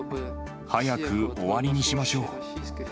早く終わりにしましょう。